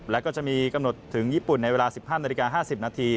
และก็จะมีกำหนดถึงญี่ปุ่นในเวลา๑๕นาฬิกา๕๐นาที